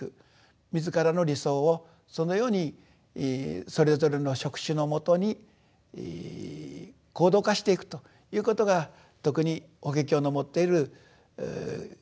自らの理想をそのようにそれぞれの職種のもとに行動化していくということが特に法華経の持っている生き方ではないかと。